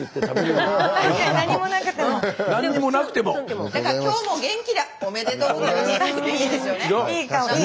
だから「今日も元気だ。おめでとうございます」でいいですよね。